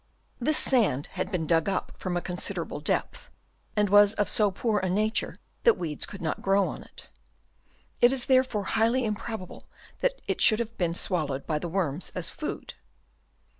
This sand had been dug up from a considerable Chap. II. EXCAVATION OF THEIR BURROWS. 103 depth, and was of so poor a nature that weeds could not grow on it. It is therefore highly improbable that it should have been swallowed by the worms as food.